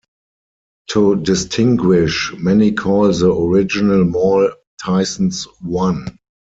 To distinguish, many call the original mall Tysons One.